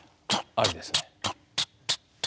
ありですね。